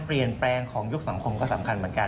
เปลี่ยนแปลงของยุคสังคมก็สำคัญเหมือนกัน